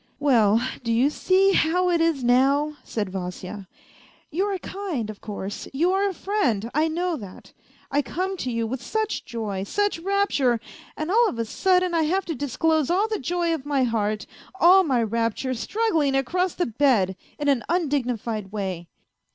" Well, do you see, how it is now ?" said Vasya. " You are kind, of course, you are a friend, I know that. I come to you with such joy, such rapture, and all of a sudden I have to disclose all the joy of my heart, all my rapture struggling across the bed, in an undignified way.